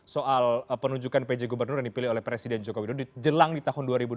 soal penunjukan pj gubernur yang dipilih oleh presiden joko widodo jelang di tahun dua ribu dua puluh